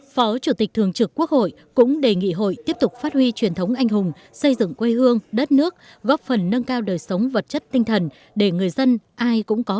phó chủ tịch thường trực quốc hội cũng đề nghị hội tiếp tục phát huy truyền thống anh hùng xây dựng quê hương đất nước góp phần nâng cao đời sống vật chất tinh thần để người dân ai cũng có